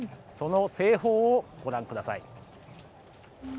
その製法をご覧ください。